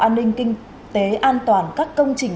an ninh kinh tế an toàn các công trình